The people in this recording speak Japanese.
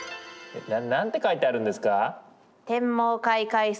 何て書いてあるんですか？